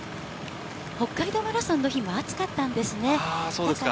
北海道マラソンの日も暑かっそうですか。